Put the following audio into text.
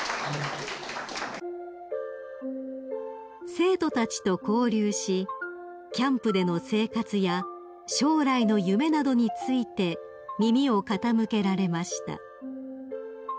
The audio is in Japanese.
［生徒たちと交流しキャンプでの生活や将来の夢などについて耳を傾けられました］